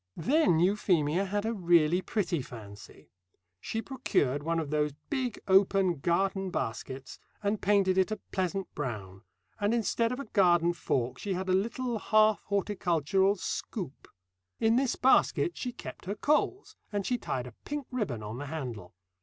Then Euphemia had a really pretty fancy. She procured one of those big open garden baskets and painted it a pleasant brown, and instead of a garden fork she had a little half horticultural scoop. In this basket she kept her coals, and she tied a pink ribbon on the handle.